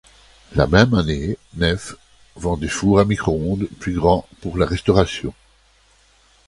La même année, Neff vend des fours à micro-ondes plus grands pour la restauration.